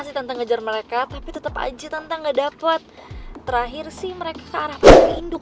sih tante ngejar mereka tapi tetep aja tante nggak dapat terakhir sih mereka ke arah panggung induk